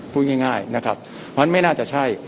พูดง่ายนะครับมันไม่น่าจะใช่